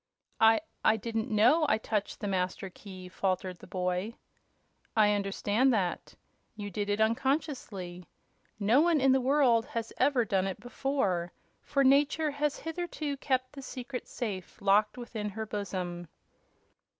"I I didn't know I touched the Master Key," faltered the boy. "I understand that. You did it unconsciously. No one in the world has ever done it before, for Nature has hitherto kept the secret safe locked within her bosom."